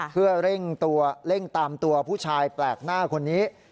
เพื่อเร่งตัวเร่งตามตัวผู้ชายแปลกหน้าคนนี้